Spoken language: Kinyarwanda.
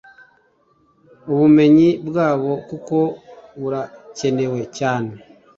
ubumenyi bwabo kuko burakenewe cyane